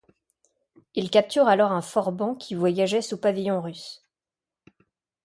Il capture alors un forban qui voyageait sous pavillon russe.